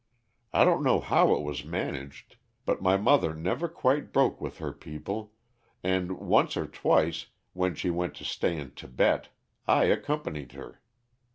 I don't know how it was managed, but my mother never quite broke with her people, and once or twice, when she went to stay in Tibet, I accompanied her.